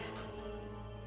itu siapa ya